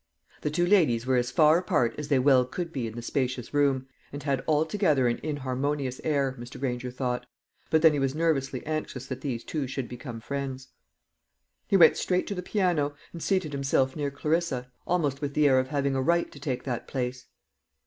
The two ladies were as far apart as they well could be in the spacious room, and had altogether an inharmonious air, Mr. Granger thought; but then he was nervously anxious that these two should become friends. He went straight to the piano, and seated himself near Clarissa, almost with the air of having a right to take that place.